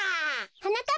はなかっ